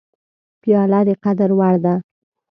پیاله د قدر وړ ده.